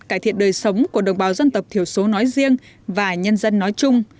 cải thiện đời sống của đồng bào dân tộc thiểu số nói riêng và nhân dân nói chung